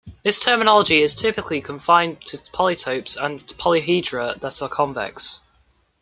This terminology is typically confined to polytopes and polyhedra that are convex.